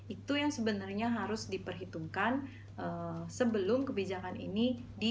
itu yang sebenarnya harus diperhitungkan sebelum kebijakan ini